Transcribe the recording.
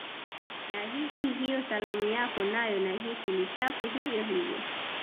Nahisi hiyo salamu yako nayo nahisi ni chafu hivyo hivyo